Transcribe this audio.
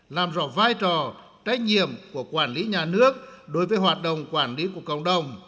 làm rõ vai trò trách nhiệm của quản lý nhà nước đối với hoạt động quản lý của cộng đồng